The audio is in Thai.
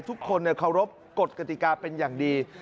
ทุกคนเคารพกฎกติกาเป็นอย่างดี